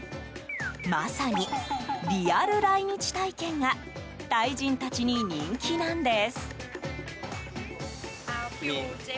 まさに、リアル来日体験がタイ人たちに人気なんです。